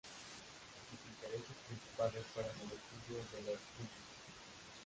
Sus intereses principales fueron el estudio de los híbridos.